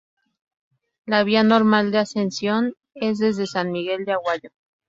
La vía normal de ascensión es desde San Miguel de Aguayo.